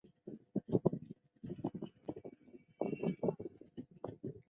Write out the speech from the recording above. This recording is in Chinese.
太史第更另外在广州市郊自设农场生产花果荔枝等等。